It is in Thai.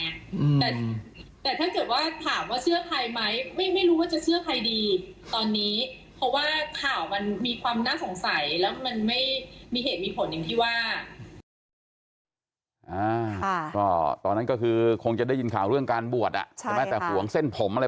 แต่ถ้าเกิดว่าถามว่าเชื่อใครไหมไม่รู้ว่าจะเชื่อใครดีตอนนี้